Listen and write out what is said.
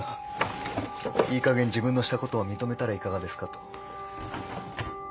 いいかげん自分のしたことを認めたらいかがですかと。